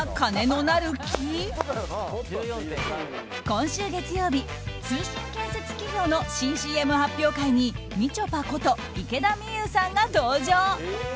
今週月曜日通信建設企業の新ＣＭ発表会にみちょぱこと池田美優さんが登場。